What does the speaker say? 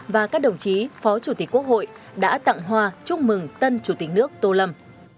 và các đồng chí phó chủ tịch quốc hội đã tặng hoa chúc mừng tân chủ tịch nước tô lâm